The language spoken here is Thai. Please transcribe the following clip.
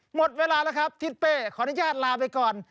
หมดเวลาแล้วครับทิศเป้ขออนุญาตลาไปก่อน